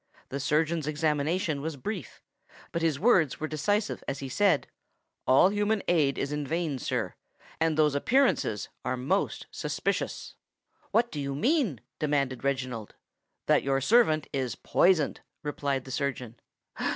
The surgeon's examination was brief; but his words were decisive, as he said, "All human aid is vain, sir; and those appearances are most suspicious." "What do you mean?" demanded Reginald. "That your servant is poisoned," replied the surgeon.